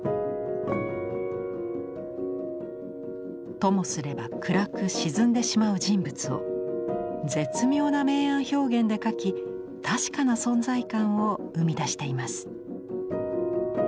ともすれば暗く沈んでしまう人物を絶妙な明暗表現で描き確かな存在感を生み出しています。